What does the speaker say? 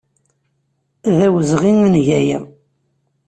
D awezɣi ad neg aya.